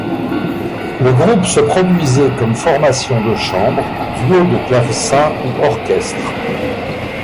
Le groupe se produisait comme formation de chambre, duo de clavecins ou orchestre.